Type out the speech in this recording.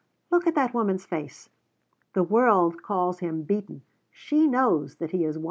Look at the woman's face! The world calls him beaten. She knows that he has won.